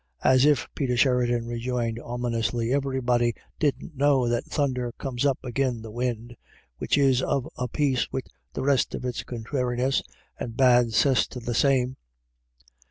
,, "As if," Peter Sheridan rejoined ominously, w everybody didn't know that thunder comes up agin the win', which is of a piece wid the rest of its contrariness — and bad cess to the same."